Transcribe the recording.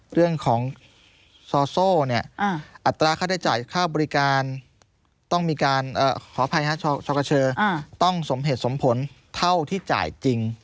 เรื่องของซอโซ่เนี่ยอัตราค่าได้จ่ายค่าบริการต้องมีการขออภัยฮะซอกเชอต้องสมเหตุสมผลเท่าที่จ่ายจริง